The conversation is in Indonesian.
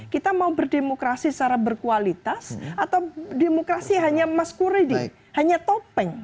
kita mau berdemokrasi secara berkualitas atau demokrasi hanya maskuriding hanya topeng